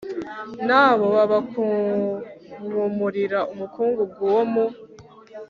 Na bo babakunkumurira umukungugu wo mu